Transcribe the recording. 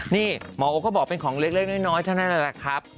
นี่หมอโอ๊ก็บอกเป็นของเล็กน้อยเท่านั้นแหละครับ